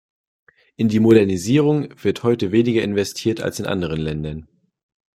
In die Modernisierung wird heute weniger investiert als in anderen Ländern.